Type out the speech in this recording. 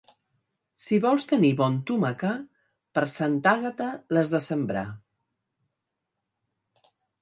Si vols tenir bon tomacar, per Santa Àgata l'has de sembrar.